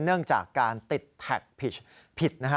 เนื่องจากการติดแท็กผิดนะฮะ